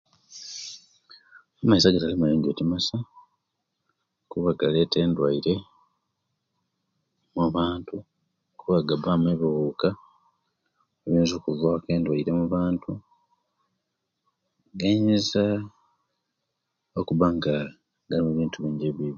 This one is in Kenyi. Amaizi agatali mayonjo timasa kuba galeta endwaire mubantu kuba gabamu obuuka obuyinza okuvaku obulwaire omubantu gayinza okuba nga galimu ebintu bingi ebibiibi